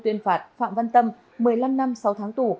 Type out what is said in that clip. tuyên phạt phạm văn tâm một mươi năm năm sáu tháng tù